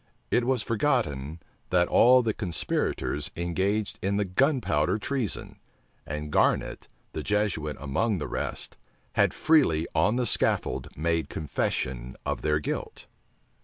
It was forgotten, that all the conspirators engaged in the gunpowder treason, and Garnet, the Jesuit among the rest, had freely on the scaffold made confession of their guilt.